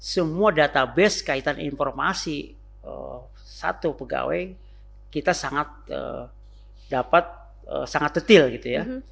semua database kaitan informasi satu pegawai kita sangat dapat sangat detail gitu ya